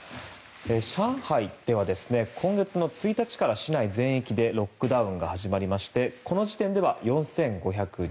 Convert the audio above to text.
上海では今月の１日から市内全域でロックダウンが始まりましてこの時点では４５０２人。